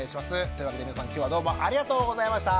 というわけで皆さん今日はどうもありがとうございました。